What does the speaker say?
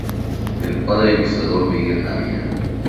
Es padre del ilustrador Miguel Navia.